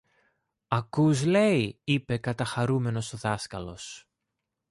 Ακούς λέει! είπε καταχαρούμενος ο δάσκαλος.